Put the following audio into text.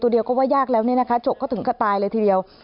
ตัวเดียวก็ว่ายากแล้วจบก็ถึงกระตายเลยทีเดียว